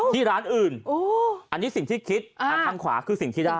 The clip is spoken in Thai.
ที่ร้านอื่นอันนี้สิ่งที่คิดทางขวาคือสิ่งที่ได้